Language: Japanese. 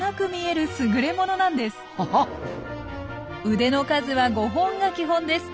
腕の数は５本が基本です。